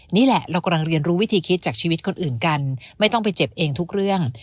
นี่แหละเรากำลังเรียนรู้วิธีคิดจากชีวิตคนอื่นกันไม่ต้องไปเจ็บเองทุกเรื่อง